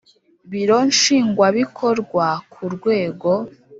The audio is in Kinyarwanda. Biro nshingwabikorwa ku rwego